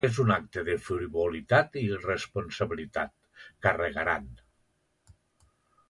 És un acte de frivolitat i irresponsabilitat, carregaran.